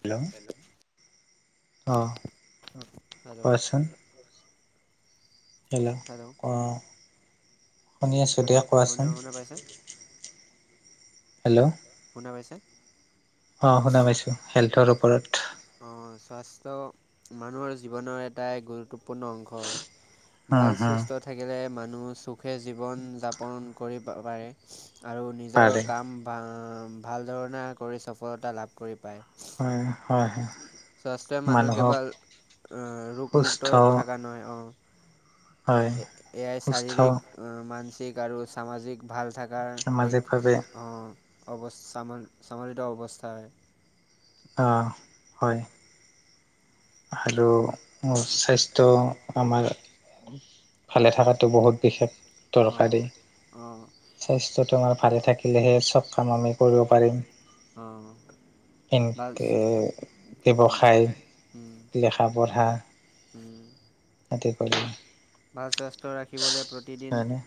Hello, ' অঁ hello কোৱাচোন। হেলা হেল'ও অঁ, শুনি আছোঁ দিয়া, হেল্ল' শুনা কোৱাচোন। শুনা পাইছে হেল্ল'। শুনা পাইছা? অঁ, শুনা পাইছোঁ, হেল্থৰ ওপৰত। অঁ, স্বাস্থ্য মানুহৰ জীৱনৰ এটাই গুৰুত্বপূৰ্ণ অংশ হয়। উম ভাল হুম সুস্থ থাকিলে, মানুহ সুখে জীৱন যাপন কৰিব পাৰে। আৰু নিজৰ পাৰে কাম ভাল বাঁ ধৰণে কৰি সফলতা লাভ কৰি পায়। হয়, হয়। স্বাস্থ্যই মানুহ মানুহক কেৱল সুস্থ ৰোগমুক্ত থাকা নহয়। অঁ হয় এ এয়াই সুস্থ শাৰীৰিক ও' মানসিক আৰু সামাজিক ভাল থকাৰ এক সামাজিকভাৱে অঁ। অৱস সামান সামৰিত অৱস্থা হয়। অঁ, হয়। আৰু সো স্বাস্থ্য আমাৰ ভালে থকাটো থাকাটো বহুত বিশেষ [unintelligible] অঁ, দৰকাৰী অঁ! স্বাস্থ্যটো আমাৰ ভালে থাকিলেহে চ'ব কাম আমি কৰিব পাৰিম। হাঁ এনকে ব্যৱসায় উম। লেখা পঢ়া উম। [unintelligible] ভাল স্বাস্থ্য ৰাখিবলে, প্ৰতিদিন হয়নে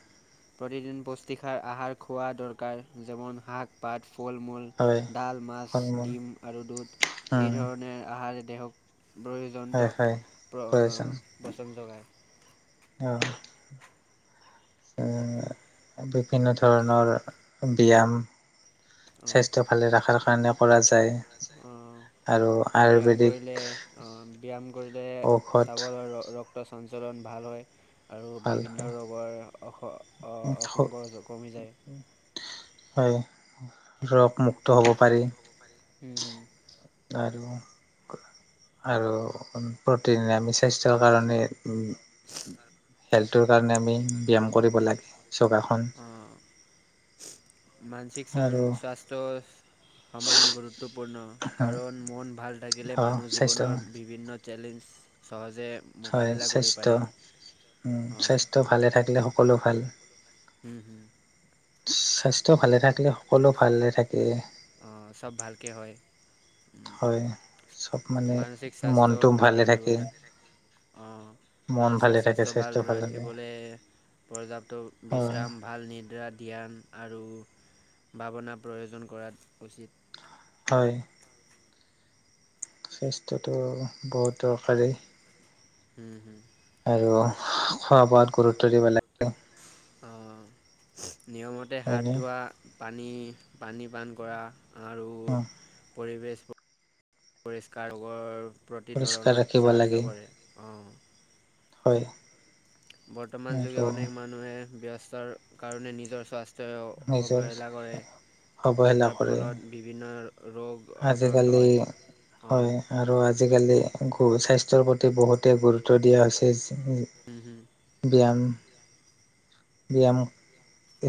প্ৰতিদিন পুষ্টিকাৰ আহাৰ খোৱা দৰকাৰ, যেমন শাক- পাত, ফল - মূল। হয় ডাল, মাছ, ফল মূল ডিম আৰু দুধ এই উম ধৰণৰ আহাৰে দেহক প্ৰয়ো জন্ত, হয় হয় প্ৰ প্ৰয়োজন পচন যোগায়। অঁহ। এঁ বিভিন্ন ধৰণৰ ব্যাম। অ'। স্বাস্থ্য ভালে ৰাখাৰ কাৰণে কৰা যায়, আৰু আয়ুৰ্বেদিক উম, ব্যায়াম কৰিলে ঔষধ চাৱল আৰ ৰক্ত চঞ্চলন ভাল হয়। আৰু ভাল বিভিন্ন হয় ৰোগৰ অস অসংগ কমি যায়। হয়, ৰগ মু [unintelligible] পাৰি, হুম, হুম। আৰু আৰু প্ৰতিদিনে আমি স্বাস্থ্যৰ কাৰণে হেল্থটোৰ কাৰণে আমি ব্যাম কৰিব লাগে। যোগাসন অঁ। মানসিক চন আৰু স্বাস্থ্য সমান গুৰুত্বপূৰ্ণ, কাৰণ মন ভাল থাকিলে অ', মানুহ স্বাস্থ্য জীৱনৰ বিভিন্ন চেলেঞ্জ চহজে হয়! স্বাস্থ্য, উম অঁ স্বাস্থ্য ভালে থাকিলে সকলো ভাল হুম উম স্বাস্থ্য ভালে থাকিলে সকলো ভালে থাকে অঁ, চব ভালকে হয় উম হয়, চব মানে মনটো ভাল ভালে থাকে ৰাখিবলৈ অঁ মন মানসিক ভালে থাকে স্বাস্থ্য ভাল ভালে থাকে। ৰাখিবলে পৰ্যাপ্ত হয়, বিশ্ৰাম ভাল নিদ্ৰা ধ্যান আৰু ভাৱনা প্ৰয়োজন কৰাত উচিত। হয়। স্বাস্থ্যটো বহুত দৰকাৰী। হম হুম। আৰু খোৱা বোৱাত। খোৱা গুৰুত্ব দিব বোৱাত লাগে গুৰুত্ব দিব লাগে অ নিয়মতে হাত হয়নে? ধোৱা। পানী পানী পান কৰা আৰু পৰিৱেশ পৰিষ্কাৰৰ প্ৰতি পৰিষ্কাৰ ধৰণত ৰাখিব সাহায্য লাগে কৰে। অঁ। হয়। বৰ্তমান যোগে আৰু অনেক মানুহে ব্যস্তৰ কাৰণে নিজৰ স্বাস্থ ত নিজৰ অৱহেলা কৰে অৱহেলা যাৰ কৰে ফলত বিভিন্ন ৰোগ আক্ৰান্ত আজিকালি হয় অঁ হয় আৰু আজিকালি গ স্বাস্থ্যৰ প্ৰতি বহুতেই গুৰুত্ব দিয়া হৈছে হম হুম। ব্যায়াম ব্যায়াম।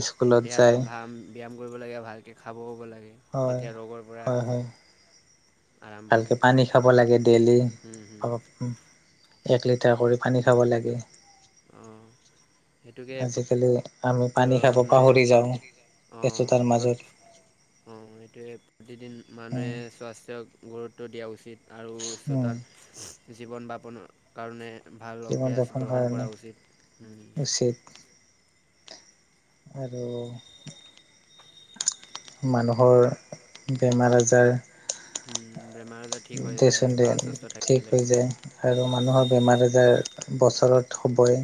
স্কুলত ব্যায়াম যায় ভাম ব্যায়াম কৰিব লাগে ভালকে খাব শুব লাগে। হয় তেতিয়া ৰোগৰ পৰা হয় হয় আৰাম পাম ভালকে পানী খাব লাগে হম হুম। উম এক লিটাৰ কৰি। পানী খাব লাগে অঁ সেইটোকে আজিকালি। আমি পানী খাব মানে পাহৰি যাওঁ অঁ ব্যস্ততাৰ প্ৰতি মাজত অঁ সেইটোৱে প্ৰতিদিন উম মানুহে স্বাস্থ্যক গুৰুত্ব দিয়া উচিত। আৰু উম চতান জীৱন যাপনৰ কাৰণে ভাল জীৱন অভ্যাস গ্ৰহণ কৰা উচিত উম চ। আৰু মানুহৰ বেমাৰ আজাৰ [unintelligible] বেমাৰ আজাৰ ঠিক হৈ যায় দেচোন দে ভাল সুস্থ ঠিক থাকিলে। হৈ যায় আৰু মানুহৰ উম, বেমাৰ আজাৰ বছৰত হ'বই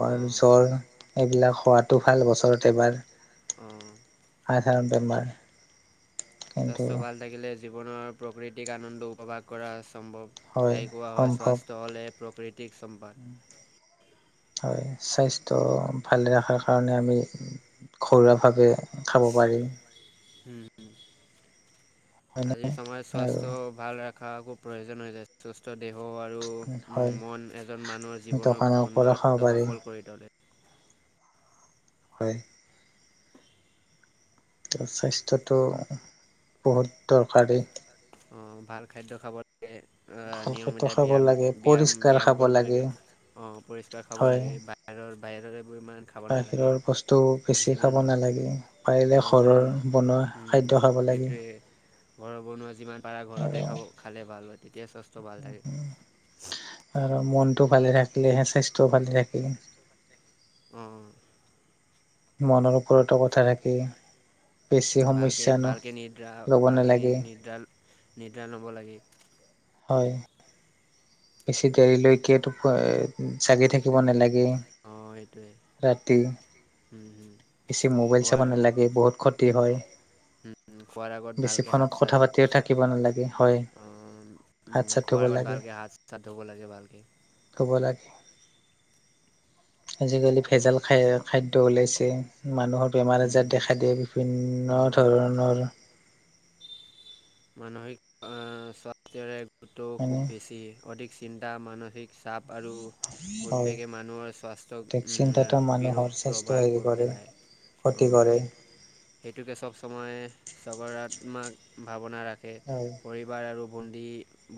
বাৰ অ', জ্বৰ এইবিলাক হোৱাটো ভাল বছৰত এবাৰ উম সাধাৰণ বেমাৰ কিন্তু স্বাস্থ্য ভাল থাকিলে জীৱনৰ প্ৰাকৃতিক আনন্দ উপভাস কৰা সম্ভৱ। হয় তাই কোৱা হয় সম্ভৱ স্বাস্থ্য হ'লে প্ৰকৃতিক সম্পদ হয় স্বাস্থ্য ভালে ৰখাৰ কাৰণে আমি ঘৰুৱা ভাৱে হোম হোম হয়নে আজিৰ সময়ত আৰু স্বাস্থ্য ভাল ৰখা খুব প্ৰয়োজন হৈ [unintelligible] সুস্থ দেহ আৰু হয় মন এজন মানুহৰ জীৱনক দোকানৰ পৰা সুন্দৰ খাব পাৰি সফল কৰি তোলে। হয়। স্বাস্থ্যটো বহুত দৰকাৰী। অ ভাল খাদ্য খাব লাগে। ভালকেতো নিয়মিত খাব ব্যায়াম লাগে ব্যায়াম পৰিষ্কাৰ ব্যায়াম খাব কৰিব লাগে অ পৰিষ্কাৰ খাব হয় লাগে বা। বাহিৰৰ বাহিৰৰে এইবোৰ ইমান। খাব নালাগে বাহিৰৰ বস্তু বেছি যিমান খাব নালাগে পাৰিলে ঘৰৰ বনোৱা। উম খাদ্য খাব লাগে এইটোৱে। ঘৰৰ বনোৱা যিমান পাৰা ঘৰতে আৰু খাব খালে ভাল হয় তেতিয়াই স্বাস্থ্য ভাল থাকে। আৰু মনটো ভালে থাকিলেহে স্বাস্থ্যও ভালে থাকে অ অ মনৰ ওপৰত কথ থাকে বেছি ভালকৈ সমস্যা ন ভালকৈ ল'ব নালাগে নিৰ্দাৰণ হ'ব লাগে হয়। বেছি দেৰিলৈকে তো জাগি থাকিব নালাগে ৰাতি উম হোম বেছি মোবাইল চাব নালাগে বহুত ক্ষতি হয়। অঁ খোৱাৰ আগত ভালকে হাত চাত লাগে হয়। হাত চাত ধুব খোৱাৰ আগত লাগে ভালকে হাত চাত ধুব লাগে ভালকে খাব লাগে আজিকালি ভেজাল খাই খাদ্য ওলাইছে মানুহৰ বেমাৰ আজাৰ দেখা দিয়ে বিভিন্ন অঁ ধৰণৰ মানসিক স্বাস্থ্যৰে গুৰুত্ব খুব হয়নে বেছি অধিক চিন্তা মানসিক চাপ আৰু হয় উদ্বেগে মানুহৰ স্বাস্থ্যক সঠিক চিন্তাটো মানুহৰ বিৰূপ স্বাস্থ্য হেৰি প্ৰভাত কৰে পেলায় অ ক্ষতি কৰে সেই সেইটোকে চব সময় সগাত্মাক ভাৱনা ৰাখে হয় পৰি বাৰ আৰু বন্দী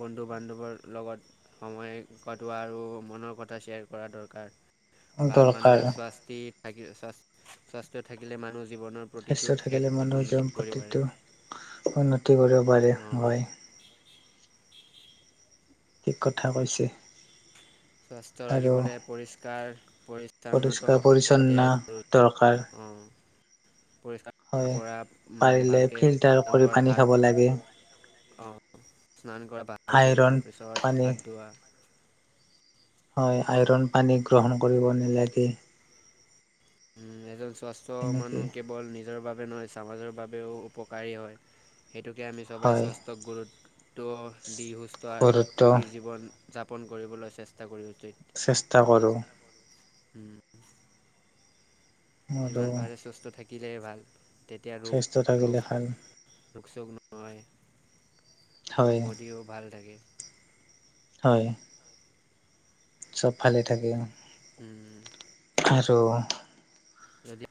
বন্ধু বান্ধৱৰ লগত সময় কটোৱা আৰু মনৰ কথা শ্বেয়াৰ কৰা দৰকাৰ ভাল দৰকাৰ মানসিক চাস্তি থ [unintelligible] স্বাস্থ্য থাকিলে মানুহ জীৱনৰ স্বাস্থ্য প্ৰতিটো থাকিলে ক্ষেত্ৰত মানুহৰ উন্নতি জীৱন কৰিব পাৰে প্ৰতিটো উন্নতি কৰিব পাৰে অঁ, হয়। ঠিক কথা কৈছে স্বাস্থ্য আৰু ৰাখিবলে পৰিষ্কাৰ পৰিচ্ছন্নত পৰিষ্কাৰ পৰিচ্ছন্ন [unintelligible] দৰকাৰ পৰিষ্কাৰ হয় পৰা পাৰিলে ভালকে ফিল্টাৰ [unintelligible] কৰি কৰা পানী খাব হাত লাগে [unintelligible] অ স্নান কৰা ভালকে আইৰণ তাৰপিছত পানী হাত ধোৱা হয় আইৰন পানী গ্ৰহণ কৰিব নালাগে উম এজন স্বাস্থ্য তেনেকে মানুহ কেৱল নিজ নিজৰ বাবে নহয় সমাজৰ বাবেও উপকাৰী হয় সেইটোকে আমি সবাই হয় স্বাস্ তক গুৰুত্ব দি সুস্থ আৰু ঘৰতো সুখীৰ জীৱন যাপন কৰিবলৈ চেষ্টা কৰি উচিত চেষ্টা কৰোঁ উম আৰু যিমান পাৰে সুস্থ থাকিলে ভাল। তেতিয়া ৰোগ স্বাস্থ্য থাকিলে ৰোগ- ভাল ৰোগ চোগ নহয়, হয় বডিও ভাল থাকে। হয়। চব ভালে থাকে। উম, আৰু- যদি-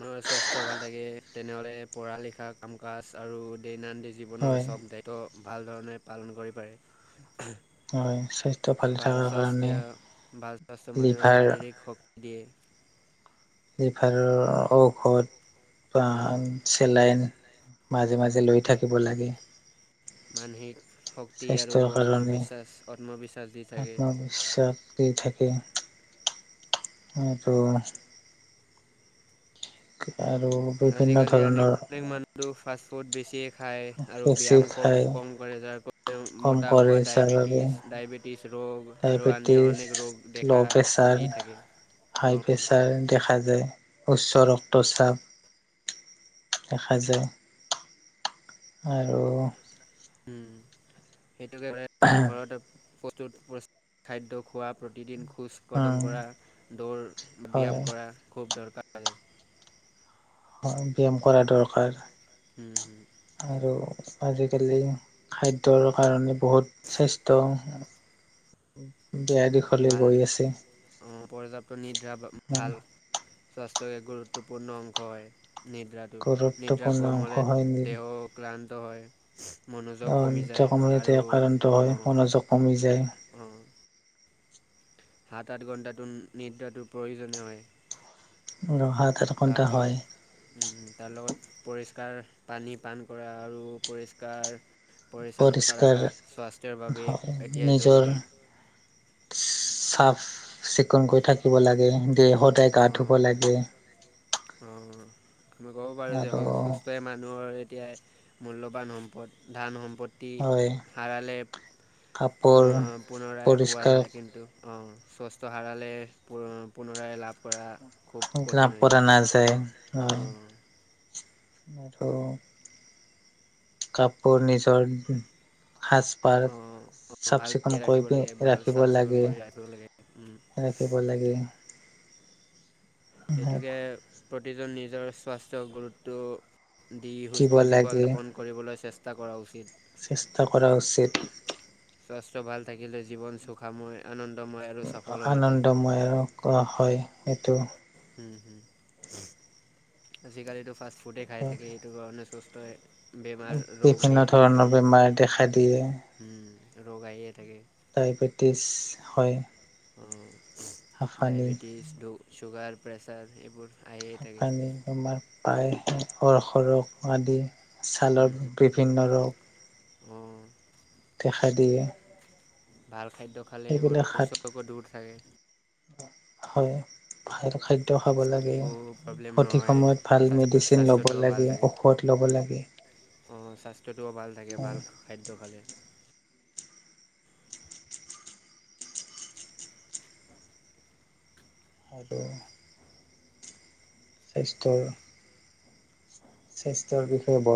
মানুহৰ স্বাস্থ্য ভাল থাকে তেনেহলে পঢ়া লিখা কাম কাজ আৰু দৈনন্দি- জীৱনৰ হয় চব দায়িত্ব ভাল ধৰণে পালন কৰি পাৰে। হয় স্বাস্থ্য ভালে ভাল থকাৰ কাৰণে স্বাস্থয় ভাল স্বাস্থ্য মানুহে লিভাৰ শাৰীৰিক শক্তি দিয়ে। লিভালৰ ঔষধ। বা অ, চেলাইন মাজে উম, মাজে লৈ থাকিব লাগে। মানসিক শক্তি আৰু স্বাস্থ্যৰ কাৰণে আত্মবিশ্বাস আত্মবিশ্বাস দি থাকে। বিশ্বাস দি থাকে আৰু- আৰু- বিভিন্ন আজিকালি ধৰণৰ অনেক মানুহোটো ফাষ্ট ফুড বেছিয়ে- খায় আৰু বেছি ব্যায়াম কম খাই কম কৰে যাৰ কাৰণে কম মতা কৰে হোৱা যাৰ বাবে ডায়েবেটিছ ডায়বেট- টিছ ৰোগ আৰু আন্য ডায়বেটিছ অনেক ৰোগ দেখা ল' প্ৰেছাৰ দি থাকে। হাই অঁ প্ৰেছাৰ দেখা যায়। উচ্চ ৰক্তচাপ দেখা যায়। আৰু- উম' সেইটোকে ঘতে ঘৰতে- প্ৰস্তুত প্ৰচ খাদ্য খোৱা, প্ৰতিদিন খোজ়- কদম উম কৰা, দৌৰ হয় ব্যায়াম কৰা খুব দৰকাৰ। হয়, ব্যায়াম কৰা দৰকাৰ। হুম, হুম। আৰু আজিকালি খাদ্যৰ কাৰণে বহুত স্বাস্থ- স্বাস্থ্য ত, দেয়া দেখো- ভাল অঁ পৰ্যাপ্ত নিদ্ৰা পায় ইমান ভাল- স্বাস্থ্যৰ এক গুৰুত্বপূৰ্ণ অংশ হয় নিদ্ৰাত- টো। নিদ্ৰা গুৰুত্বপূৰ্ণ কম অংশ হ'লে হয় দেহ ক্লান্ত হয়। মনোযোগ কমি নিত্য যায়, কমতে আৰু আক্ৰান্ত হয় মনোযোগ কমি যায় অঁ' অঁ'। সাত, আঠ ঘণ্টাটো নিদ্ৰাটো প্ৰয়োজনীয় হয়। অঁ' হাত আঠ ঘণ্টা হয়। উম' উম' তাৰ লগত পৰিষ্কাৰ পানী পান কৰা আৰু পৰিষ্কাৰ- পৰিচ্ছন্নতা পৰিষ্কাৰ ৰাখা স্বাস্থ্যৰ বাবে হয় এতিয়াই নিজৰ জৰুৰী। চাফ, চিকুণ কৈ থাকিব লাগে। দেহ সদায় গা ধুব অঁ লাগে। অঁ' আমি ক'ব পাৰো যে, আৰু স্বাস্থয় মানুহৰ এতিয়া- মূল্যবান সম্পদ, ধান সম্পদ। অতি হয় হাৰালে পু কাপোৰ পুনৰাই পোৱা পৰিষ্কাৰ যায় কিন্তু। অঁ, স্বস্থ হাৰালে পুন পুনৰাই লাভ কৰা- খুব কঠিন লাভ হৈ কৰা যায় নাযায়, অঁ অঁ' আৰু- কাপোৰ নিজৰ সাজ-পাৰ- অঁ অঁ চাফ, ভালকৈ চিকুণ কৰি ৰাখিব পি লাগে ভাল ৰাখিব চাফ চিকুণ লাগে, কৰি ৰাখিব লাগে উম, ৰাখিব লাগে। সেইটোকে শিকিব প্ৰতিজন নিজৰ স্বাস্থ্য গুৰুত্ব- দি সুস্থ লাগে জীৱন যাপন কৰিবলৈ চেষ্টা কৰা উচিত। চেষ্টা কৰা উচিত টি ঠ্। হি হি স্বাস্থ্য ভাল থাকিলে, জীৱন সুখাময় আনন্দময় আৰু সফল হৈ উঠে। সময়েই আৰু কৰা হয়, এইটো। উহ হুম, হুম সিৎ। টি আজিকালিতো ফাষ্ট ফুডেই খাই থাকে, এইটোৰ কাৰণে সুস্থই বেমাৰ ৰোগ বিভিন্ন আহি থাকে, ধৰণৰ আহি থাকে, বেমাৰ আপুনি দেখা প্ৰায়েই দিয়ে দেখাই থাকিব হুম উ উ উ, ৰোগ আহিয়ে থাকে। ডায়েবেটিছ হয়। উম উম উ উ উসৎ, হাঁফানি ডায়েবেটিছ ডও চুগাৰ প্ৰেছাৰ এইবোৰ আহিয়ে হেও থাকে পানী তোমাৰ পায় উম অৰসৰহ আদি উম ছালৰ হুম, ক্ৰিফিন নৰক অঁ দেখা দিয়ে। ভাল খাদ্য খালে এইবোৰ ঔষধ-চৌষধ দূৰ থাকে। দে হয়। ভাল খাদ্য খাব লাগে, একো প্ৰব্লেম সঠিক নহয় সময়ত ভাল স্বাস্থ্য মেডিচিন ল'ব স্বাস্থ্যটোও লাগে, অ' অ। পোৰ্ট ল'ব লাগে। অ অ অ, স্বাস্থ্যটোও ভাল থাকে, ভাল হয় খাদ্য খালে। হয়তো অ অ স্বাস্থ্যৰও স্বাস্থ্যৰ বিষয়ে ব আহ